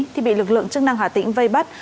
thì bị lực lượng chức năng hà tĩnh vây bắt